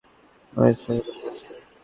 মায়ের সঙ্গে দেখা হয়েছে।